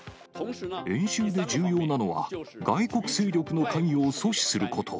演習で重要なのは、外国勢力の関与を阻止すること。